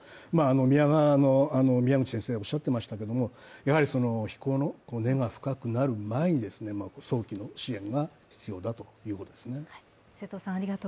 宮川の宮口先生がおっしゃっていましたけれどもやはり非行の根が深くなる前に早期の支援が必要だということですね。